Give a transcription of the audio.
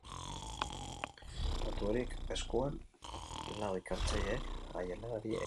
Datu horiek eskuan, lau ikertzaileek haien lanari ekin diote.